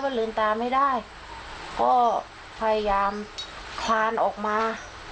ลืมตาไม่ได้ก็พยายามคลานออกมา